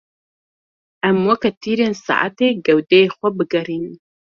Em weke tîrên saetê gewdeyê xwe bigerînin.